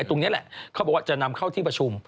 ตรงนี้แหละเขาบอกว่าจะนำเข้าที่ประชุม